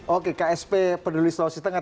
oke ksp peduli sulawesi tengah